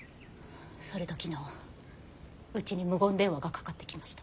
それと昨日うちに無言電話がかかってきました。